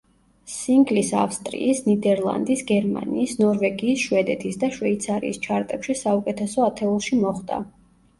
სინგლის ავსტრიის, ნიდერლანდის, გერმანიის, ნორვეგიის, შვედეთის და შვეიცარიის ჩარტებში საუკეთესო ათეულში მოხვდა.